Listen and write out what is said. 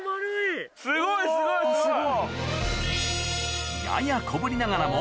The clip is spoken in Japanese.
すごいすごいすごい。